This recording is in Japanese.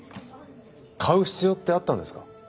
買う必要ってあったんですか？